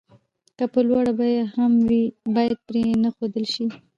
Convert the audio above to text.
که په ډېره لوړه بيه هم وي بايد پرې نه ښودل شي.